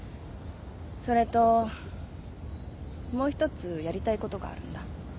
それともう一つやりたいことがあるんだ。